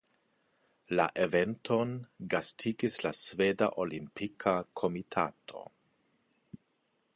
La eventon gastigis la Sveda Olimpika Komitato.